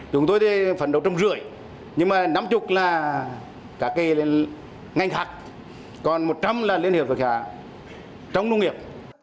chúng tôi thì phấn đấu trăm rưỡi nhưng mà năm mươi là cả cái ngành hạc còn một trăm linh là liên hiệp hợp tác xã trong nông nghiệp